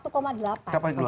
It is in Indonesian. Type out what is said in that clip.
kapan ini luar biasa